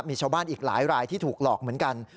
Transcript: มีชาวบ้านอีกหลายรายที่ถูกหลอกเหมือนกัน